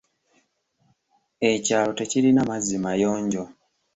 Ekyalo tekirina mazzi mayonjo.